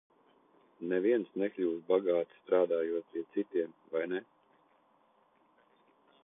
Neviens nekļūst bagāts, strādājot pie citiem, vai ne?